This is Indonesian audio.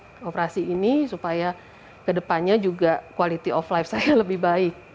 jalanin aja operasi ini supaya ke depannya juga quality of life saya lebih baik